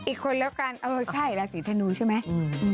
อีกคนแล้วกันเออใช่ราศีธนูใช่ไหม